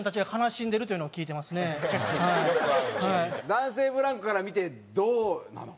男性ブランコから見てどうなの？